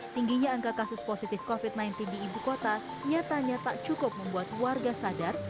tingginya angka kasus positif covid sembilan belas di ibu kota nyatanya tak cukup membuat warga sadar